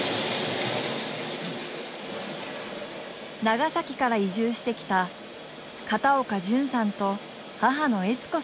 長崎から移住してきた片岡絢さんと母の悦子さん。